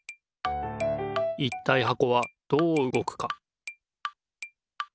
いったいはこはどううごくか？